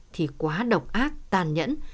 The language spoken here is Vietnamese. thì quá độc ác tàn nhẫn